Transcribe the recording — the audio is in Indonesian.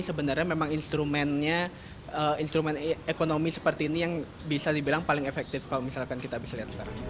sebenarnya memang instrumennya instrumen ekonomi seperti ini yang bisa dibilang paling efektif kalau misalkan kita bisa lihat sekarang